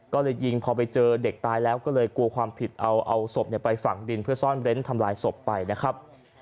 ก็เลยยิงพอไปเจอเด็กตายแล้วก็เลยกลัวความผิดเอาศพไปฝังดินเพื่อซ่อนเร้นทำลายศพไปนะครับ